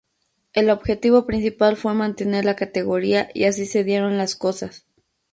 El objetivo principal fue mantener la categoría y así se dieron las cosas.